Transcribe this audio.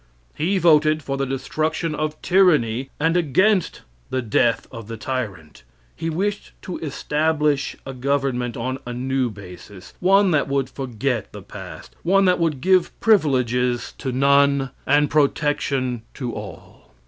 He voted for the destruction of tyranny, and against the death of the tyrant. He wished to establish a government on a new basis one that would forget the past; one that would give privileges to none, and protection to all.